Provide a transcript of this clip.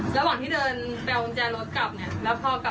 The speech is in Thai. ระหว่างที่เดินกลับเนี่ยแล้วกลับมานานแหละ